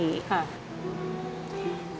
ค่ะ